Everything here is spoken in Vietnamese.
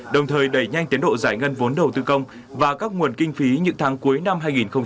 đồng thời đẩy nhanh tiến độ giải ngân vốn đầu tư công và các nguồn kinh phí những tháng cuối năm hai nghìn hai mươi